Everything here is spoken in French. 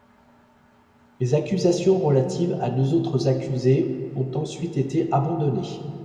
Les accusations relatives à deux autres accusés ont ensuite été abandonnées.